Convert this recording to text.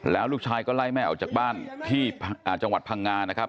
แล้วลูกชายก็ไล่แม่ออกจากบ้านที่จังหวัดพังงานะครับ